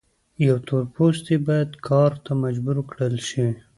یو تور پوستی باید کار ته مجبور کړل شي.